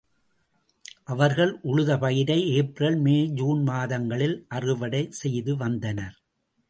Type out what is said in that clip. அவர்கள் உழுத பயிரை ஏப்ரல், மே, சூன் மாதங்களில் அறுவடை செய்து வந்தனர்.